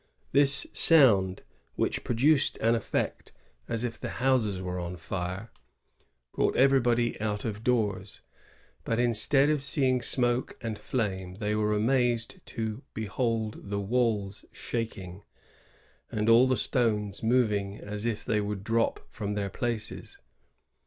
This sound, which produced an effect as if the houses were on fire, brought everybody out of doors; but instead of seeing smoke and flame, they were amazed to behold the walls shaking, and all the stones moving as if they would drop from their places.